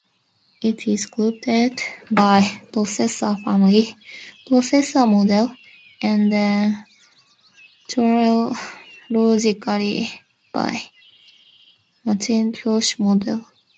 It is grouped by processor family, processor model, and then chronologically by Macintosh model.